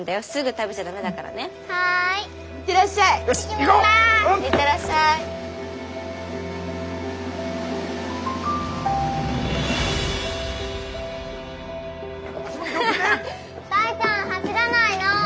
大ちゃん走らないの！